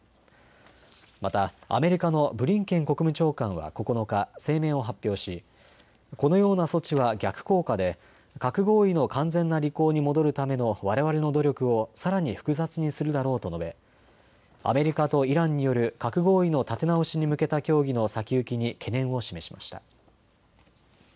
またアメリカのブリンケン国務長官は９日、声明を発表し、このような措置は逆効果で核合意の完全な履行に戻るためのわれわれの努力をさらに複雑にするだろうと述べアメリカとイランによる核合意の立て直しに向けた協議の先行きに懸念を示しました。